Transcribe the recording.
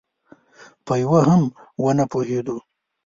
په یوه هم ونه پوهېدو.